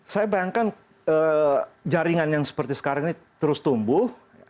saya bayangkan jaringan yang seperti sekarang ini terus tumbuh